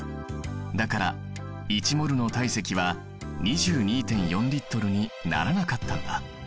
だから１ｍｏｌの体積は２２．４Ｌにならなかったんだ。